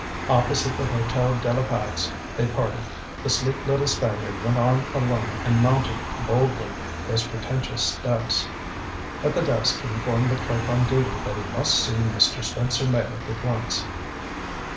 Opposite the Hotel de la Pax they parted. The sleek little Spaniard went on alone and mounted boldly those pretentious steps. At the desk he informed the clerk on duty that he must see Mr. Spencer Meyrick at once.